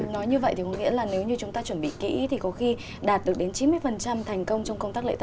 nói như vậy thì có nghĩa là nếu như chúng ta chuẩn bị kỹ thì có khi đạt được đến chín mươi thành công trong công tác lễ tân